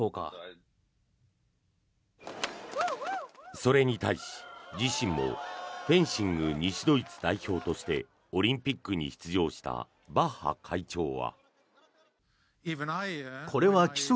それに対し、自身もフェンシング西ドイツ代表としてオリンピックに出場したバッハ会長は。